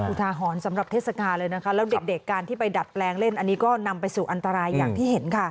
อุทาหรณ์สำหรับเทศกาลเลยนะคะแล้วเด็กการที่ไปดัดแปลงเล่นอันนี้ก็นำไปสู่อันตรายอย่างที่เห็นค่ะ